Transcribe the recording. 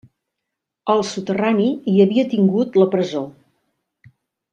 Al soterrani hi havia tingut la presó.